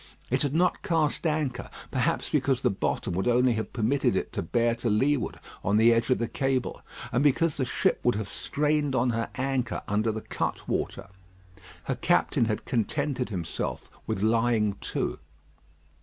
It had not cast anchor, perhaps because the bottom would only have permitted it to bear to leeward on the edge of the cable, and because the ship would have strained on her anchor under the cutwater. Her captain had contented himself with lying to.